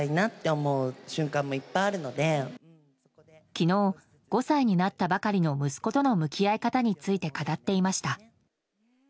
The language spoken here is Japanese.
昨日、５歳になったばかりの息子との向き合い方について語っていました。